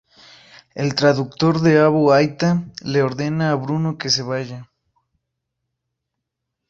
El traductor de Abu Aita le ordena a Bruno que se vaya.